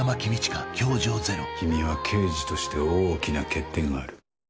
君は刑事として大きな欠点がある。